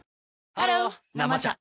ハロー「生茶」